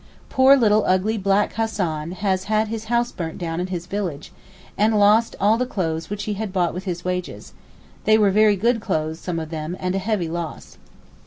Poor little ugly black Hassan has had his house burnt down in his village, and lost all the clothes which he had bought with his wages; they were very good clothes, some of them, and a heavy loss.